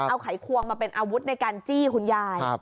เอาไขควงมาเป็นอาวุธในการจี้คุณยาย